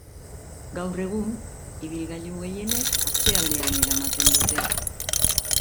Gaur egun, ibilgailu gehienek atzealdean eramaten dute.